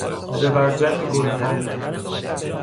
زبرجد گلفام